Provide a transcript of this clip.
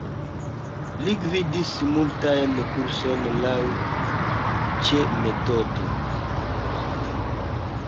Li gvidis multajn kursojn laŭ Cseh-metodo.